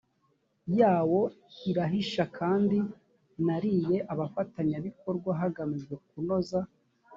yawo irahisha kandi nariy abafatanyabikorwa hagamijwe kunoza